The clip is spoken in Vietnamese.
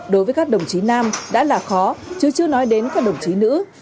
đối với các đồng chí nam đã là khó chứ chưa nói đến các đồng chí nữ